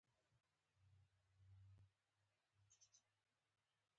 که يې پرېږدم .